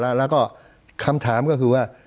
แล้วก็คำถามก็คือว่า